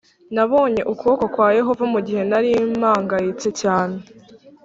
Nabonye ukuboko kwa Yehova mu gihe nari mpangayitse cyane